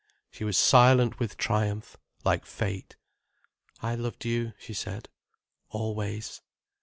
She was silent with triumph, like fate. "I loved you," she said, "always."